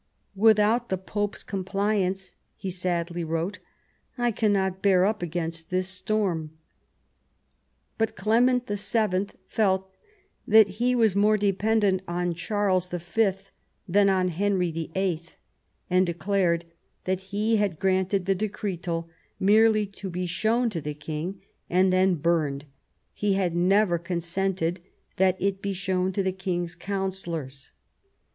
"Without the Pope's compliance," he sadly wrote, " I cannot bear up against this storm." But Clement VII. felt that he was more dependent on Charles V. than on Henry VIIL, and declared that he had granted the decretal merely to be shown to the king and then burned ; he had never consented that it be shown to the king's counsellors.